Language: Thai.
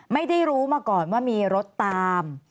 ไม่ได้รู้มาก่อนว่ามีรถตาม